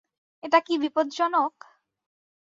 এটা কি বিপজ্জনক?